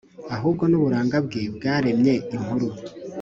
ahubwo nuburanga bwe bwaremye inkuru